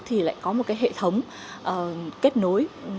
thì lại có một hệ thống kết nối